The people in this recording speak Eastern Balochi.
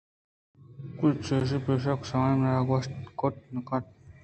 کہ چِد ءُ پیش کسّ ءَ منارا گوٛشت کُت نہ کُتگ اَنت